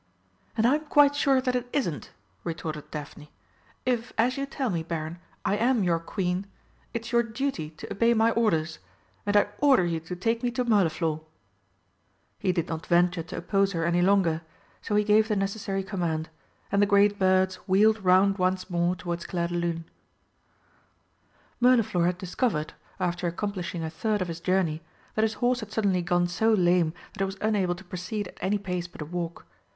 "And I'm quite sure that it isn't," retorted Daphne. "If, as you tell me, Baron, I am your Queen, it's your duty to obey my orders, and I order you to take me to Mirliflor." He did not venture to oppose her any longer, so he gave the necessary command, and the great birds wheeled round once more towards Clairdelune. Mirliflor had discovered, after accomplishing a third of his journey, that his horse had suddenly gone so lame that it was unable to proceed at any pace but a walk.